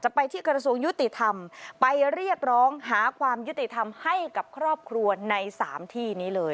ไปที่กระทรวงยุติธรรมไปเรียกร้องหาความยุติธรรมให้กับครอบครัวในสามที่นี้เลย